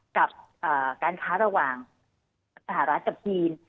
กับการค้าระหว่างสหรัฐกับทีม